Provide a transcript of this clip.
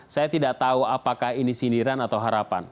saya tidak tahu apakah ini sindiran atau harapan